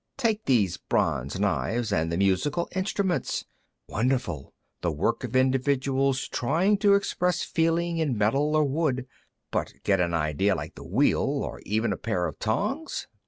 Take these bronze knives, and the musical instruments. Wonderful; the work of individuals trying to express feeling in metal or wood. But get an idea like the wheel, or even a pair of tongs?